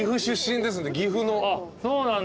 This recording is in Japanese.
そうなんだ。